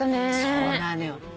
そうなのよ。